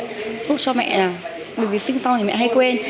giúp cho mẹ là bởi vì sinh sau thì mẹ hay quên